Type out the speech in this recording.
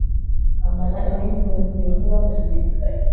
bamara iminsi mirongo irindwi bamuririra